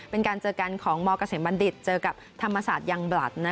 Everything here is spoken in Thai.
เป็นการเจอกันของมเกษมบัณฑิตเจอกับธรรมศาสตร์ยังบลัด